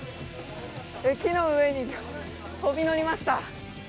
木の上に飛び乗りました。